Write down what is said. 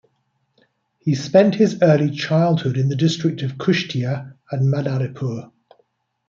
He spent his early childhood in the district of Kushtia and Madaripur.